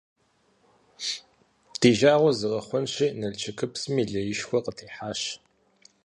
Ди жагъуэ зэрыхъунщи, Налшыкыпсми леишхуэ къытехьащ.